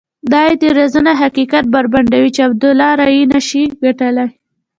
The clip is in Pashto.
دا اعتراضونه حقیقت بربنډوي چې عبدالله رایې نه شي ګټلای.